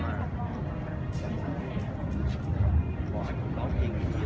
แม่กับผู้วิทยาลัย